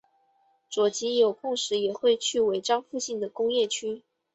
佐吉有空时也会去尾张附近的工业区。